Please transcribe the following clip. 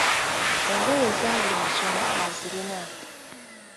Engoye ezabuli musono azirina.